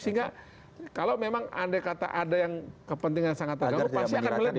sehingga kalau memang andai kata ada yang kepentingan sangat terganggu pasti akan melebihi